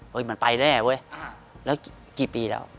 มันไปแน่เว้ยแล้วกี่ปีแล้ว